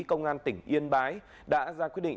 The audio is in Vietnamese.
công an tỉnh yên bái đã ra quyết định